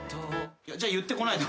じゃあ言ってこないでください。